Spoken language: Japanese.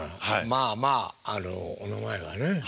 まあまあお名前はね。